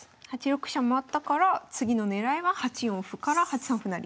８六飛車回ったから次の狙いは８四歩から８三歩成。